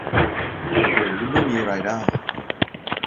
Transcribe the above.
หรือไม่มีรายได้